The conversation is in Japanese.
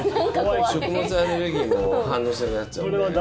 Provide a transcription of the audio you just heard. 食物アレルギーも反応しなくなっちゃうんで。